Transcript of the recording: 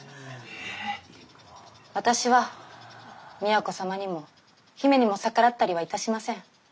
私は都様にも姫にも逆らったリはいたしません。